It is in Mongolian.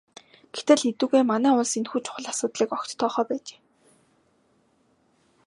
Гэтэл эдүгээ манай улс энэхүү чухал асуудлыг огт тоохоо байжээ.